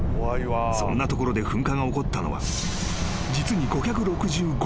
［そんなところで噴火が起こったのは実に］